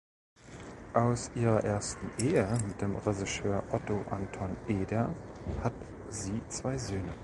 Aus ihrer ersten Ehe mit dem Regisseur Otto Anton Eder hat sie zwei Söhne.